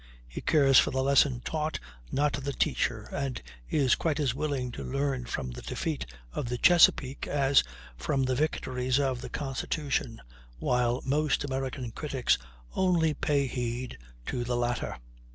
He cares for the lesson taught, not the teacher, and is quite as willing to learn from the defeat of the Chesapeake as from the victories of the Constitution while most American critics only pay heed to the latter.